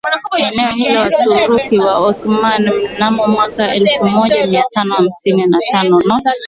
eneo hilo na Waturuki wa Ottoman Mnamo mwaka elfumoja miatano hamsini na tano not